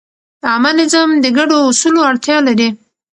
عامه نظم د ګډو اصولو اړتیا لري.